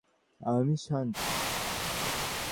যাও, আরো কামান লুটে আনো।